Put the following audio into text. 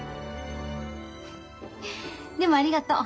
フッでもありがとう。